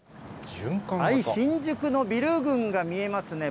新宿のビル群が見えますね。